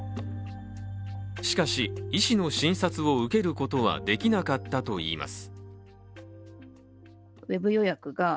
しかし、医師の診察を受けることはできなかったといいます。